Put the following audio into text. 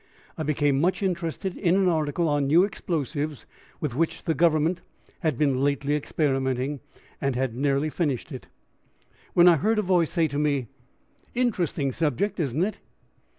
I became much interested in an article on new explosives with which the Government has been lately experimenting, and had nearly finished it, when I heard a voice say to me, "Interesting subject, isn't it?"